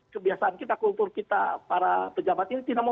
kebiasaan kita kultur kita para pejabat ini